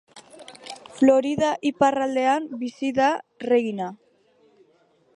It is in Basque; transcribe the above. Florida iparraldean bizi da Regina.